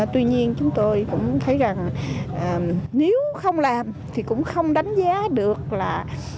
tuy nhiên chúng tôi cũng thấy rằng nếu không làm thì cũng không đánh giá được là